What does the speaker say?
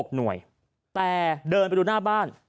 หน่วยแต่เดินไปดูหน้าบ้าน